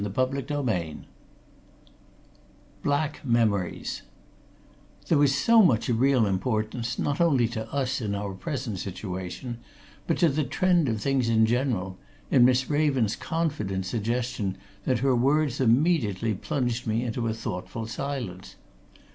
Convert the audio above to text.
CHAPTER XIX BLACK MEMORIES There was so much of real importance, not only to us in our present situation, but to the trend of things in general, in Miss Raven's confident suggestion that her words immediately plunged me into a thoughtful silence.